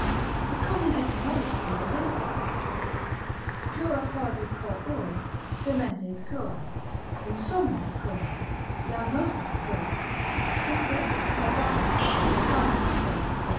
The common etymology will evince it, Cura quasi cor uro, Dementes curae, insomnes curae, damnosae curae, tristes, mordaces, carnifices, &c.